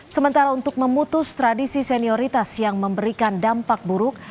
sementara untuk memutus tradisi senioritas yang memberikan dampak buruk